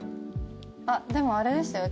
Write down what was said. あっでもあれですよ。